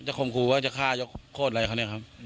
คมครูว่าจะฆ่ายกโคตรอะไรเขาเนี่ยครับ